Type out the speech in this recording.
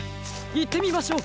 いってみましょう！